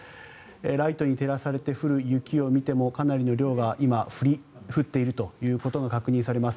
ライトに照らされて降る雪を見てもかなりの量が今降っているということが確認されます。